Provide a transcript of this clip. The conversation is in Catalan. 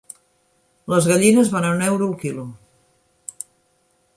Les gallines van a un euro el quilo.